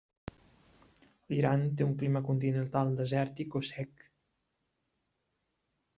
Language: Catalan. L'Iran té un clima continental desèrtic o sec.